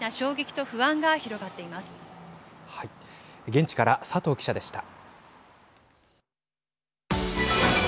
現地から佐藤記者でした。